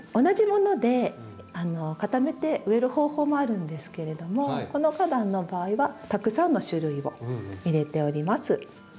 同じもので固めて植える方法もあるんですけれどもこの花壇の場合はたくさんの種類を入れております。